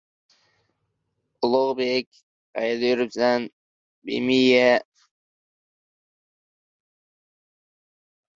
Toshkent shahrida issiqlik ta’minoti tizimini takomillashtirish choralari muhokama qilindi